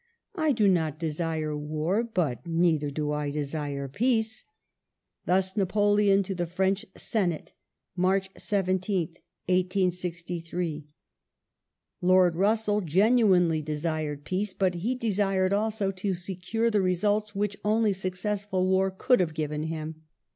'* I do not desire war, but neither do I desire peace." Thus Napoleon to the French Senate (March 17th, 1863). Lord Russell genuinely desired peace, but he desired also to secure the results which only successful war could have given him.